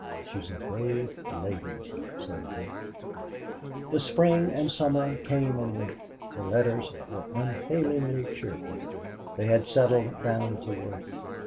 "She's a brave lady," said Dick. The spring and summer came and went. The letters were unfailingly cheerful. They had settled down to work.